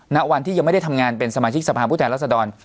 ณวันที่ยังไม่ได้ทำงานเป็นสมาชิกสภาพผู้แทนรัศดร